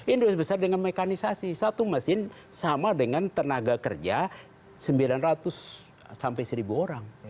industri besar dengan mekanisasi satu mesin sama dengan tenaga kerja sembilan ratus sampai seribu orang